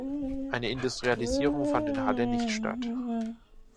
Eine Industrialisierung fand in Halle nicht statt.